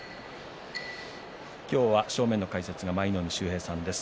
今日は正面の解説は舞の海秀平さんです。